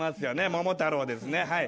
『桃太郎』ですねはい。